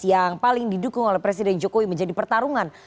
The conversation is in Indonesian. yang paling didukung oleh presiden jokowi menjadi pertarungan